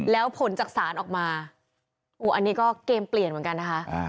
แล้วผลจากศาลออกมาอันนี้ก็เกมเปลี่ยนเหมือนกันนะคะ